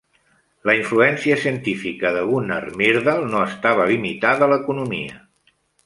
La influència científica de Gunnar Myrdal no estava limitada a l'economia.